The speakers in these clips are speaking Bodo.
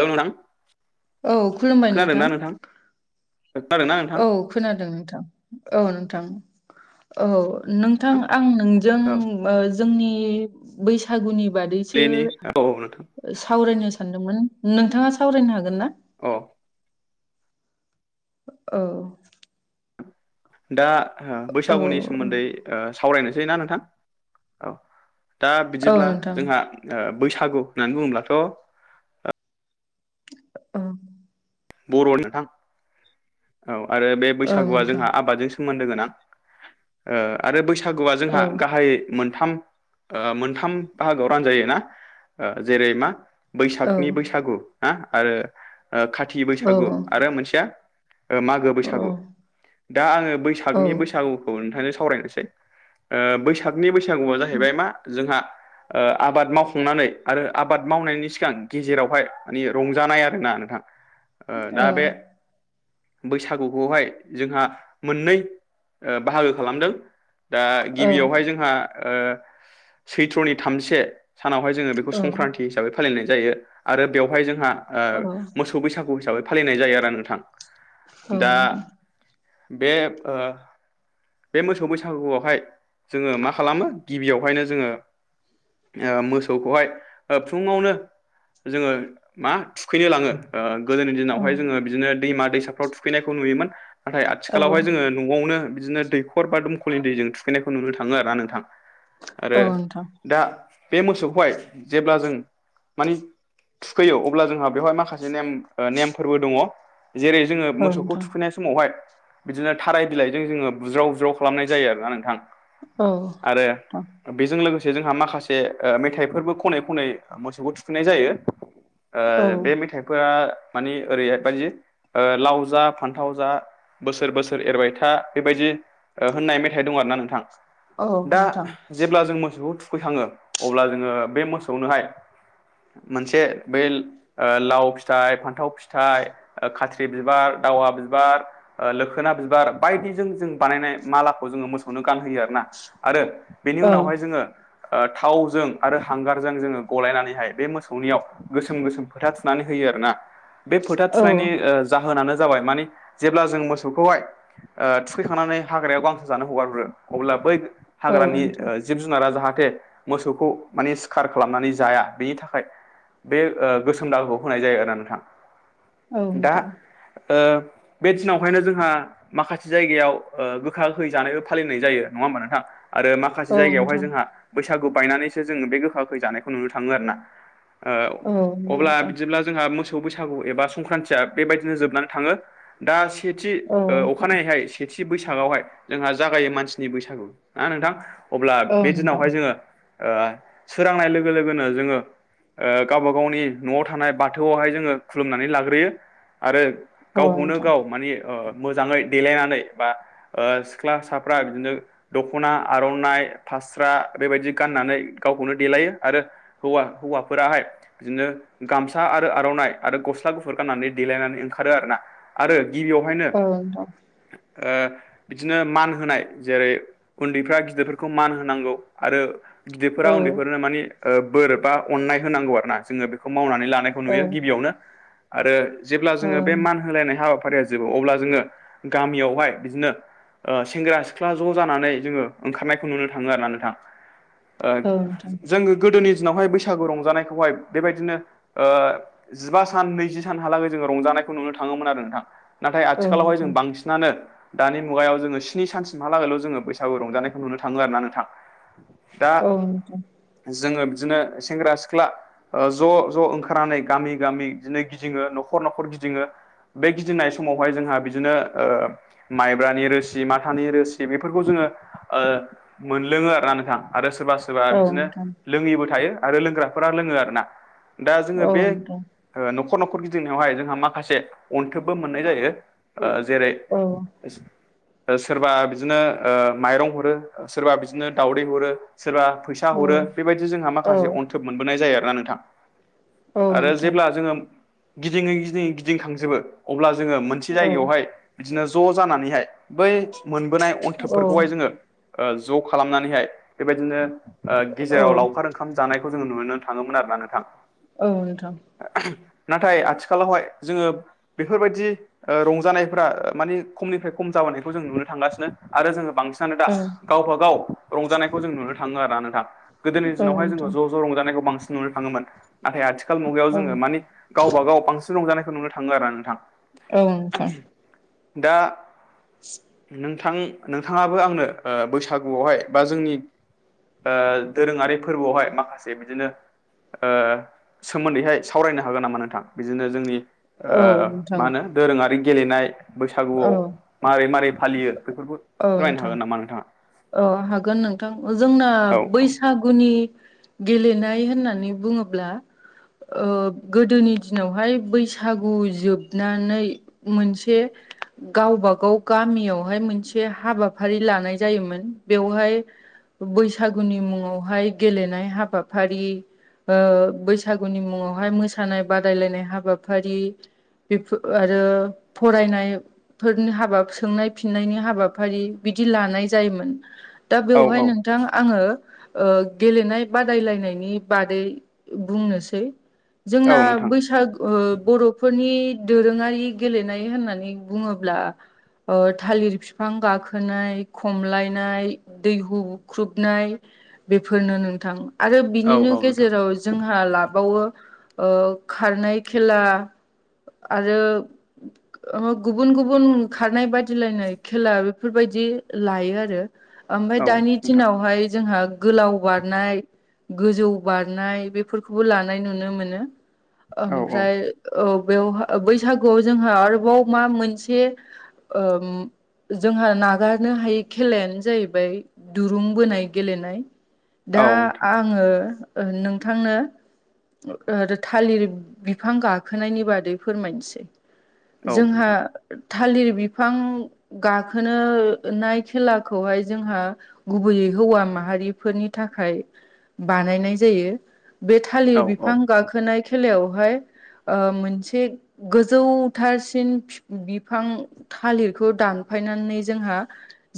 हेल' नोंथां। औ खुलुमबाय नोंथां। खोनादोंना औ नोंथां। खोनादों नोंथां औ नोंथां औ नोंथां आं नोंजों औ ओ जोंनि बैसागुनि बादैसो बेनि ओ औ औ नोंथां सावरायनो सानदोंमोन नोंथाङा सावरायनो हागोन ना। अ औ दा औ बैसागुनि सोमोन्दै ओ सावरायनोसै ना नोंथां औ। दा औ बिदिब्ला नोंथां जोंहा बैसागु होननानै बुङोब्लाथ' अ बर' नोंथां औ आरो बे औ बैसागुआ नोंथां जोंहा आबादजों सोमोन्दोगोन आं आरो बैसागुआ औ जोंहा गाहाय मोनथाम मोनथाम बाहागोआव रानजायो ना जेरै मा औ बैसागनि बैसागु हा आरो खाथि औ बैसागु आरो मोनसेया मागो औ औ बैसागु दा आङो औ बैसागनि बैसागुखौ नोंथांनो सावरायनोसै बैसाग नि बैसागुआ जाहैबाय मा जोंहा। आबाद मावखांनानै आरो आबाद मावनायनि सिगां गेजेरावहाय माने रंजानाय आरोना नोंथां औ दा बे बैसागुखौहाय जोंहा मोननै बाहागो खालामदों दा गिबियावहाय जोंहा सैथ्र'नि थामसे सानावहाय जोङो बेखौ संक्रान्ति हिसाबै फालिनाय जायो आरो बेवहाय जोंहा ओ मोसौ बैसागु। हिसाबै फालिनाय जायो आरो नोंथां दा नोंथां बे बे मोसौ बैसागुआवहाय जोङो मा खालामो गिबियावहायनो जोङो मोसौखौहाय फुङावनो जोङो मा थुखैनो लाङो ओ गोदोनि औ दिनावहाय जोङो बिदिनो दैमा दैसाफ्राव थुखैनायखौ नुयोमोन। नाथाय औ आथिखालावहाय जोङो न'आवनो बिदिनो दैखर बा दमखलनि दैजों थुखैनायखौ नुनो थाङो आरो ना नोंथां आरो औ नोंथां दा बे मोसौखौहाय जेब्ला जों मानि थुखैयो अब्ला जोंहा बेवहाय माखासे नेम नेमफोरबो दङ जेरै जोङो औ मोसौखौ नोंथां औ नोंथां थुखैनाय समावहाय बिदिनो थाराय बिलाइजों जोङो बुज्राव बुज्राव खालामनाय जायो आरोना नोंथां औ आरो बेजों लोगोसे जोंहा माखासे मेथाइफोरबो खनै खनै मोसौखौ थुखैनाय जायो ओ बे मेथाइफोरा मानि ओरैहाय बायदि ओ लाव जा फान्थाव जा बोसोर बोसोर एरबाय था बेबायदि होननाय मेथाइ दं आरोना नोंथां औ दा नोंथां जेब्ला जों मोसौखौ थुखैखाङो अब्ला जोङो बे मोसौनोहाय मोनसे बै लाव फिथाइ फान फान्थाव फिथाइ खाथ्रि बिबार दावा बिबार। लोखोना बिबार बायदिजों जों बानायनाय मालाखौ जोङो मोसौनो गानहोयो आरो ना आरो बेनि औ उनावहाय जोङो थावजों आरो हांगारजों जोङो गलायनानैहाय बे मोसौनियाव गोसोम गोसोम फोथा थुनानै होयो आरो ना बे फोथा औ थुनायनि नोंथां जाहोनानो जाबाय माने जेब्ला जों मोसौखौहाय थुखैखांनानै हाग्रायाव गांसो जानो हगारहरो अब्ला बै हाग्रानि जि जिब जुनारा जाहाथे मोसौखौ माने सिखार खालामनानै जाया बेनि थाखाय बे गोसोम दाहखौ होनाय जायो आरो नोंथां औ दा नोंथां बे दिनावहायनो जोंहा माखासे जायगायाव गोखा गोखै जानायबो फालिनाय जायो नङा होमबा नोंथां आरो माखा औ माखासे जायगायावहाय जोंहा बैसागु बायनानैसो जोङो बे गोखा गोखै जानायखौ नुनो थाङो आरोना औ अब्ला नोंथां बिदिब्ला जोंहा मोसौ बैसागु एबा संक्रान्तिया बेबायदिनो जोबनानै थाङो दा सेथि औ नोंथां औ ओ अखानायैहाय से सेथि बैसागआवहाय जोंहा जागायो मानसिनि बैसागु ना नोंथां अब्ला बे नोंथां दिनावहाय जोङो सोरांनाय लोगो लोगोनो जोङो गावबा गावनि न'आव थानाय बाथौआवहाय जोङो खुलुमनानै लाग्रोयो आरो औ गावखौनो नोंथां गाव माने मोजाङै देलायनानै बा सिख्लासाफ्रा बिदिनो दख'ना आर'नाइ फास्रा बेबायदि गाननानै गावखौनो देलायो आरो हौव हौवाफोराहाय बिदिनो गामसा आरो आर'नाइ आरो गस्ला गुफुर गाननानै देलायनानै ओंखारो आरो ना आरो गिबियावहायनो औ नोंथां ओ बिदिनो मान होनाय जेरै उन्दैफ्रा गिदिरफोरखौ मान होनांगौ आरो औ नोंथां औ गिदिरफोरा उन्दैफोरनो मानि ओ बोर बा अननाय होनांगौ आरो ना जोंङो बे बेखौ मावनानै लानायखौ नुयो औ गिबियावनो। आरो जेब्ला जोंङो बे मान होलायनाय हाबाफारिया जोबो अब्ला जोंङो गामियावहाय बिदिनो ओ सेंग्रा सिख्ला ज' जानानै जोंङो ओंखारनायखौ नुनो थाङो आरो ना नोंथां। ओ नोंथां जोंङो गोदोनि दिनावहाय बैसागु रंजानायखौहाय बेबायदिनो ओ जिबा सान नैजि सानहालागै जोंङो रंजानायखौ नुनो थाङोमोन आरो नोंथां नाथाय औ आथिखालावहाय जों नोंथां बांसिन नानो दानि मुगायाव जोंङो स्नि सानसिमहालागैल' जोंङो बैसागु रंजानायखौ नुनो थाङो आरोना नोंथां। दा औ नोंथां जोंङो बिदिनो सेंग्रा सिख्ला ज' ज' ओंखारनानै गामि गामि बिदिनो गिदिङो न'खर न'खर गिदिङो बे गिदिंनाय समावहाय जोंहा बिदिनो ओ माइब्रानि रोसि माथानि रोसि बेफोरखौ जोंङो ओ मोनलोंङो आरो ना नोंथां आरो सोरबा सोर बा औ बिदिनो नोंथां लोङैबो थायो आरो लोंग्राफोरा लोंङो आरो ना दा औ जोंङो बे नोंथां ओ न'खर न'खर गिदिंनायावहाय जोंहा माखासे अन्थोबबो मोननाय जायो ओ जेरै औ। [unintelligible] सोरबा बिदिनो ओ माइरं हरो सोरबा बिदिनो दावदै हरो सोरबा फै फैसा औ हरो बेबायदि जोंहा नोंथां माखासे अन्थोब मोनबोन जायो आरोना नोंथां। आरो जोंङो गिदिंङै गिदिङै गिदिं खांजोबो अब्ला जोंङो मोनसे औ जायगायावहाय बिदिनो ज' जानानैहाय बै मोनबोनाय औ अन्थोबफोरखौहाय जोंङो ओ ज' खालामनानैहाय बेबायदिनो ओ औ गेजेराव लावखार ओंखाम जानायखौ जोंङो नुनो थाङोमोन आरोना नोंथां। औ नोंथां। नाथाय आथिखालावहाय जोंङो बेफोरबायदि ओ रंजानायफ्रा मानि खमनिफ्राय खम जाबोनायखौ जों नुनो थांगासिनो आरो जोंङो बांसिन बांसिनानो दा औ गावबा गाव रंजानायखौ जों नुनो थाङो आरो ना नोंथा गोदोनि औ नोंथां औ दिनावहाय जों नोंथां ज' ज रंजानायखौ बांसिन नुनो थाङोमोन नाथाय आथिखाल मुगायाव औ जों गावबा गाव बांसिन रंजानायखौ नुनो थाङो आरोना नोंथां। नोंथां दा नों नोंथां नोंथाङाबो आंनो ओ बैसागुआवहाय बा जोंनि ओ दोरोङारि फोरबोआवहाय माखासे बिदिनो ओ सोमोन्दैहाय सावरायनो हागोन नामा नोंथां बिदिनो जोंनि ओ मा होनो दोरोङारि गेलेनाय औ बैसागुआव मारै मारै फालियो बेफोरखौ फोरमायनो नोंथां हागोन नामा नोंथाङा? औ हागोन नोंथां जोंना औ बैसागुनि गेलेनाय होननानै बुङोब्ला ओ गोदोनि दिनावहाय बैसागु जोबनानै मोनसे गावबा गाव गामियावहाय मोनसे हाबाफारि लानाय जायोमोन। बेवहाय बैसागुनि मुङावहाय गेलेनाय हाबाफारि ओ बैसागुनि मुङावहाय मोसानाय बादायलायनाय हाबाफारि बेफोर आरो फरायनाय फोरनि हाबा सोंनाय फिननायनि हाबाफारि बिदि लानाय जायोमोन। दा औ बेवहाय औ नोंथां आंङो ओ गेलेनाय बादायलायनायनि बादै बुंनोसै। जोंना औ नोंथां बैसागु ओ बर'फोरनि दोरोङारि गेलेनाय होननानै बुङोब्ला ओ थालिर बिफां गाखोनाय, खमलाय नाय दैहु बुख्रुबनाय बेफोरनो नोंथां। आरो औ बिनिनो औ नोंथां गेजेराव जोंहा लाबावो ओ खारनाय खेला आरो गुबुन गुबुन खारनाय बादिलायनाय खेला बेफोरबायदि लायो आरो। ओमफ्राय औ दानि नोंथां दिनावहाय जोंहा गोलाव बारनाय गोजौ बारनाय बेफोरखौबो लानाय नुनो मोनो। औ औ ओमफ्राय औ बेवहाय बैसागुआव जोंहा आरोबाव मा मोनसे उम जोंहा नागारनो हायि खेलायानो जाह जाहैबाय दुरुं बोनाय गेलेनाय दा औ नोंथां आङो ओ नोंथांनो आरो थालिर बिफां गाखोनायनि बादै फोरमायनोसै। औ जोंहा नोंथां थालिर बिफां गाखोनोनाय खेला खौहाय जोंहा गुबैयै हौवा माहारिफोरनि थाखाय बानायनाय जायो बे थालिर औ औ बिफां गाखोनाय खेलायावहाय ओ मोनसे गोजौथारसिन बिफां थालिरखौ दानफायनानै जोंहा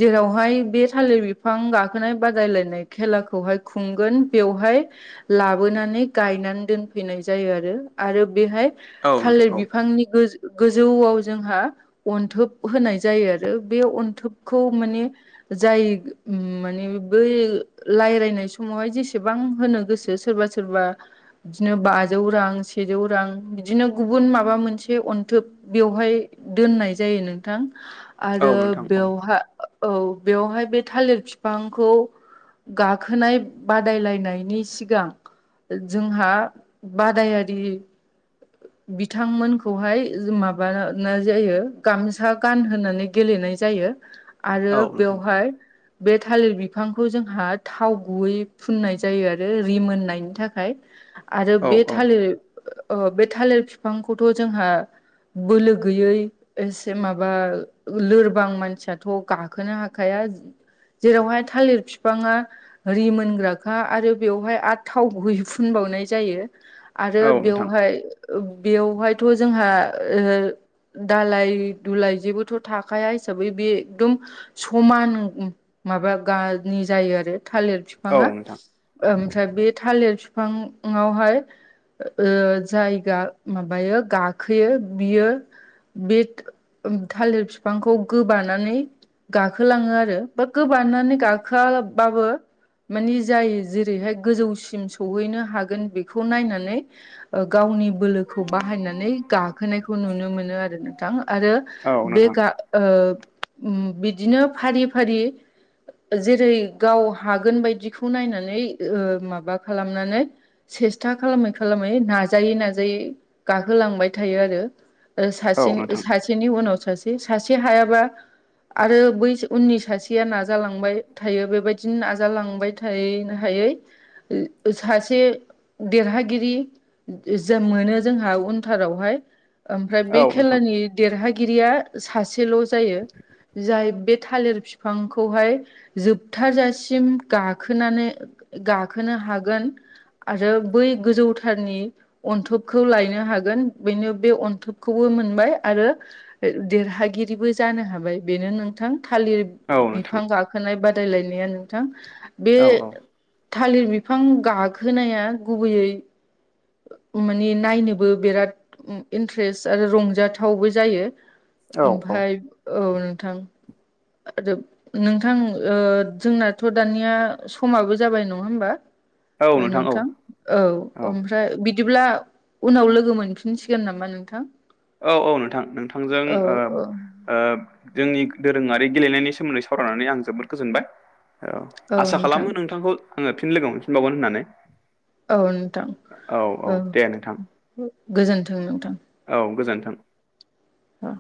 जेरावहाय बे थालिर बिफां गाखोनाय बादायलायनाय खेलाखौहाय खुंगोन बेवहाय लाबोनानै गायनानै दोनफैनाय जायो आरो आरो बेहाय औ थालिर नोंथां बिफांनि गोज गोजौआव जोंहा अन्थोब होनाय जायो आरो बे अन्थोबखौ माने जाय माने बै रायलायनाय समावहाय जेसेबां होनो गोसो सोरबा सो सोरबा बिदिनो बाजौ रां सेजौ रां बिदिनो गुबुन माबा मोनसे अन्थोब बेवहाय दोननाय जायो नोंथां औ आरो नोंथां औ बेवहाय औ बेवहाय बे थालिर फिफांखौ गाखोनाय बादायलायनायनि सिगां जोंहा बादायारि बिथांमोनखौहाय माबा जायो गामसा गान होनानै गेलेनाय जायो आरो औ नोंथां औ बेवहाय बे थालिर बिफांखौ जोंहा थाव गुबै फुननाय जायो आरो रिमोननायनि थाखाय आरो बे थालिर ओ बे थालिर फिफांखौथ' जोंहा बोलो गैयै एसे माबा लोरबां मानसियाथ' गाखोनो हाखाया। जेरावहाय थालिर फिफाङा रिमोनग्राखा आरो बेवहाय आरो थाव गुबै फुनबावनाय जायो। आरो नोंथां बेवहाय बेवहायथ' जोंहा ओ दालाय दुलाय जेबोथ' थाखाया हिसाबै बे एकदम समान माबा गानि जायो आरो थालिर औ बिफाङा नोंथां ओमफ्राय बे थालिर बिफांआवहाय ओ जाय ओ माबायो गाखोयो बियो बे थालिर बिफांखौ गोबानानै गाखोलाङो आरो बा गोबानानै गाखोआबाबो मानि जायो जेरैहाय गोजौसिम सौहैनो हागोन बेखौ नायनानै ओ गावनि बोलोखौ बाहायनानै गाखोनायखौ नुनो मोनो आरो नोंथां आरो औ बे नोंथां गा ओ बिदिनो फारि फारि जेरै गाव हागोन बायदिखौ नायनानै माबा खालामनानै सेस्था खालामै खालामै नाजायै नाजा गागोलांबाय थायो आरो ओ औ सासे नोंथां सासेनि उनाव सासे सासे हायाबा आरो बै उननि सासेया नाजालांबाय थायो बेबायदिनो नाजालांबाय हा-हायै सासे देरहागिरि जा जो मोनो जोंहा उनथारावहाय ओमफ्राय बे औ नोंथां खेलानि देरहागिरिया सासेल' जायो जाय बे थालिर फि बिफांखौहाय जोबथाजासिम गाखोनानै गाखोनो हागोन आरो बै गोजौथारनि अन्थोबखौ लायनो हागोन बेनो बे अन्थोबखौबो मोनबाय आरो देरहागिरिबो जानो हाबाय बेनो नोंथां थालिर औ बिफां नोंथां गाखोनाय बादायलायनाया नोंथां बे औ थालिर बिफां गाखोनाया गुबैयै माने नायनोबो बिराद इन्ट्रेस्ट आरो रंजाथावबो जायो। औ ओमफ्राय औ नोंथां आरो नोंथां जोंनाथ' दानिया समाबो जाबाय नङा होमबा? औ ओ औ नोंथां औ औ ओमफ्राय बिदिब्ला उनाव लोगो मोनफिनसिगोन नामा नोंथां। औ औ नोंथां नोंथांजों औ ओ औ ओ जोंनि दोरोङारि गेलेनायनि सोमोन्दै सावरायनानै आं जोबोद गोजोनबाय। औ आसा खालामो नोंथांखौ आङो फिन लोगो मोनफिनबावगोन होननानै। औ नोंथां औ गोजोन्थों नोंथां। औ गोजोन्थों। आ